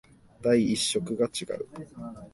第一色が違う